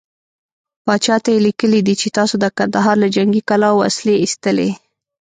پاچا ته يې ليکلي دي چې تاسو د کندهار له جنګې کلا وسلې ايستلې.